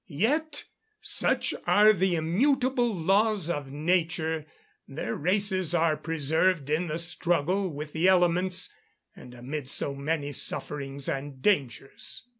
Yet, such are the immutable laws of nature, their races are preserved in the struggle with the elements, and amid so many sufferings and dangers.